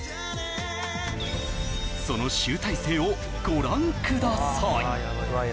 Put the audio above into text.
その集大成をご覧ください